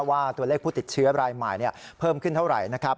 ว่าตัวเลขผู้ติดเชื้อรายใหม่เพิ่มขึ้นเท่าไหร่นะครับ